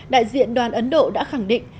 đại diện đoàn ấn độ đã khẳng định